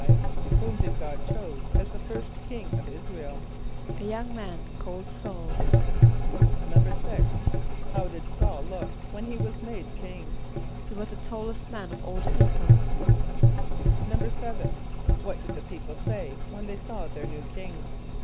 = Whom did God choose as the first king of [)I][s+]´ra el? =A young man named S[a:]ul.= =6.= How did S[a:]ul look when he was made king? =He was the tallest man of all the people.= =7.= What did the people say when they saw their new king?